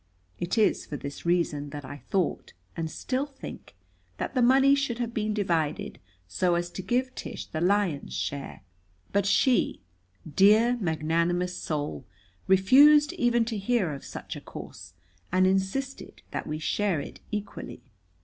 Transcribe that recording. It is for this reason that I thought, and still think, that the money should have been divided so as to give Tish the lion's share. But she, dear, magnanimous soul, refused even to hear of such a course, and insisted that we share it equally.